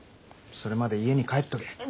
それまで家に帰っとけ。